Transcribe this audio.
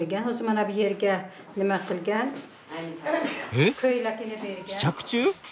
え試着中？